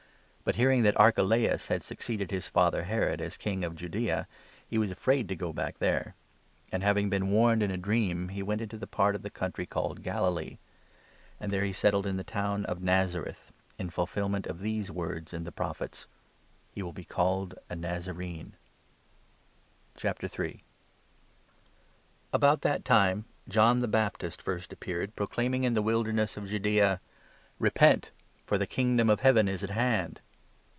But, hearing that Archelaus had succeeded 22 his father Herod as King of Judaea, he was afraid to go back there ; and, having been warned in a dream, he went into the part of the country called Galilee. And there he settled in the 23 town of Nazareth, in fulfilment of these words in the Prophets —' He will be called a Nazarene.' II. — THE PREPARATION. The Baptist About that time John the Baptist first appeared, i and hi* proclaiming in the Wilderness of Judaea : Message. «< Repent, for the Kingdom of Heaven is at 2 hand."